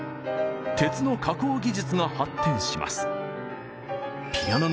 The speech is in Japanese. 鉄の加工技術が発展します。